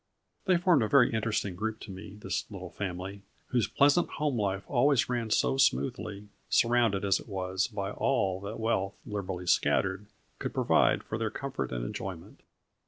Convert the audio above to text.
They formed a very interesting group to me, this little family, whose pleasant home life always ran so smoothly, surrounded, as it was, by all that wealth, liberally scattered, could provide for their comfort and enjoyment.